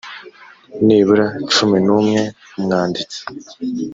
nibura cumi n umwe umwanditsi